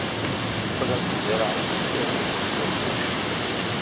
Qqlent zerrɛent tikerkas fell-as.